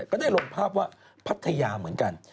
ก็ได้ลงภาพว่าพัทยาเหมือนกัน